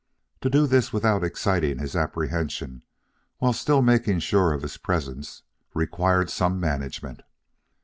To do this without exciting his apprehension while still making sure of his presence required some management.